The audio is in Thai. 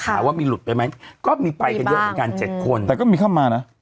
ถามว่ามีหลุดไปไหมก็มีไปกันเยอะเหมือนกัน๗คนแต่ก็มีเข้ามานะ